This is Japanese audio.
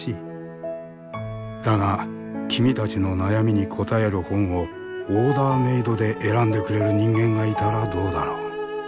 だが君たちの悩みに答える本をオーダーメードで選んでくれる人間がいたらどうだろう？